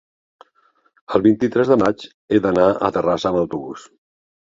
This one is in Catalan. el vint-i-tres de maig he d'anar a Terrassa amb autobús.